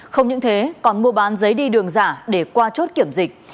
không những thế còn mua bán giấy đi đường giả để qua chốt kiểm dịch